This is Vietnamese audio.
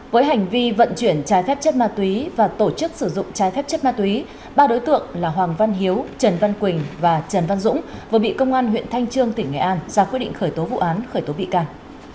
với hành vi vận chuyển trái phép chất ma túy và tổ chức sử dụng trái phép chất ma túy ba đối tượng là hoàng văn hiếu trần văn quỳnh và trần văn dũng vừa bị công an huyện thanh trương tỉnh nghệ an ra quyết định khởi tố vụ án khởi tố bị can